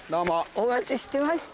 お待ちしてました。